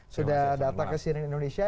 sudah data kesini indonesia